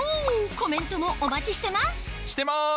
コメントもお待ちしてますしてます！